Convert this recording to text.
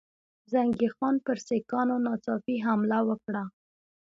زنګي خان پر سیکهانو ناڅاپي حمله وکړه.